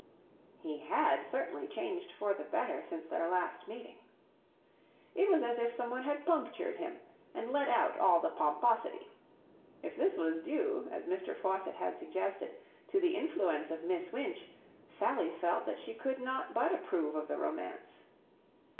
He had certainly changed for the better since their last meeting. It was as if someone had punctured him and let out all the pomposity. If this was due, as Mr. Faucitt had suggested, to the influence of Miss Winch, Sally felt that she could not but approve of the romance.